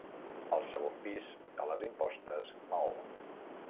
Al segon pis, a les impostes, maó.